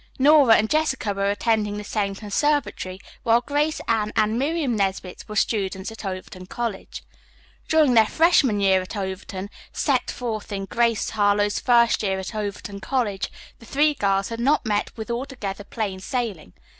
Nora and Jessica were attending the same conservatory, while Grace, Anne and Miriam Nesbit were students at Overton College. During their freshman year at Overton, set forth in "Grace Harlowe's First Year at Overton College," the three girls had not met with altogether plain sailing.